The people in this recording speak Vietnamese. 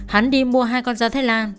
hắn đi mua hai con da thái lan